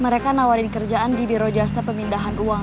mereka nawarin kerjaan di biro jasa pemindahan uang